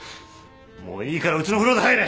もういいからウチの風呂で入れ！